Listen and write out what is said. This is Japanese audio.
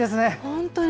本当に。